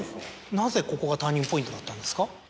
なぜここがターニングポイントだったんですか？